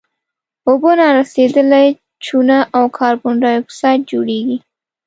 اوبه نارسیدلې چونه او کاربن ډای اکسایډ جوړیږي.